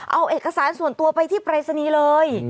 เอาเอกสารส่วนตัวไปที่ปรายศนีย์เลย